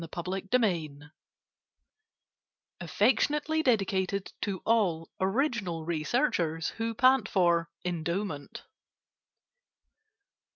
FAME'S PENNY TRUMPET [Affectionately dedicated to all "original researchers" who pant for "endowment."